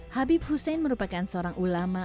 habib hussein merupakan seorang ulama